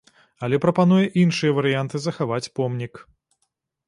Але прапануе іншыя варыянты захаваць помнік.